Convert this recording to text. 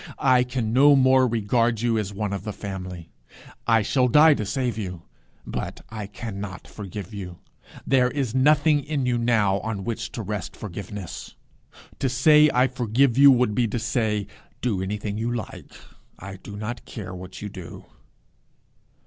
I can no more regard you as one of the family. I would die to save you, but I cannot forgive you. There is nothing in you now on which to rest forgiveness. To say, I forgive you, would be to say, Do anything you like; I do not care what you do.'